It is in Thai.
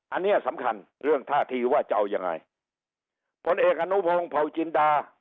อันนี้สำคัญเรื่องท่าทีว่าจะเอายังไงผลเอกอนุพงศ์เผาจินดา